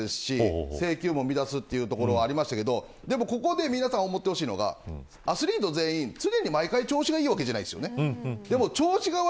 フォアボールも多かったですし制球も乱れるというところがありましたがここで皆さん、思ってほしいのがアスリート全員常に毎回調子がいいわけではないです。